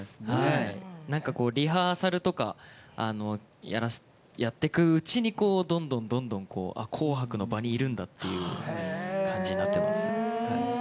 リハーサルとかやっていくうちにどんどん「紅白」の場にいるんだっていう感じになってます。